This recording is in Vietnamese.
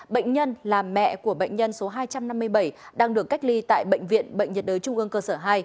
bệnh nhân là mẹ của bệnh nhân số hai trăm năm mươi bảy đang được cách ly tại bệnh viện bệnh nhiệt đới trung ương cơ sở hai